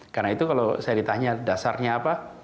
karena itu kalau saya ditanya dasarnya apa